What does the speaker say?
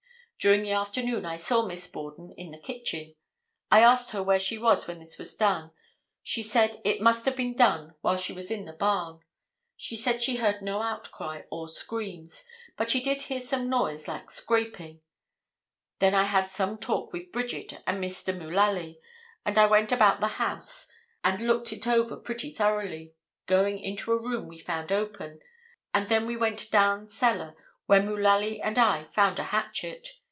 During the afternoon I saw Miss Borden in the kitchen; I asked her where she was when this was done; she said it must have been done while she was in the barn; she said she heard no outcry or screams, but she did hear some noise like scraping; then I had some talk with Bridget and Mr. Mullaly and I went about the house and looked it over pretty thoroughly, going into a room we found open, and then we went down cellar where Mullaly and I found a hatchet.